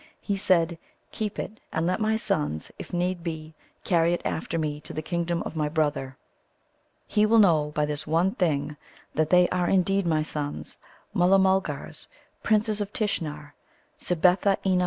He said, 'Keep it, and let my sons, if need be, carry it after me to the kingdom of my brother. He will know by this one thing that they are indeed my sons, Mulla mulgars, Princes of Tishnar, sibbetha eena manga Môh!'"